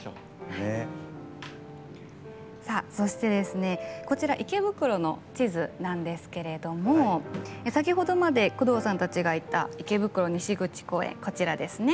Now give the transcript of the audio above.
そして、こちら池袋の地図なんですけれども先ほどまで宮藤さんたちがいた池袋西口公園ですね。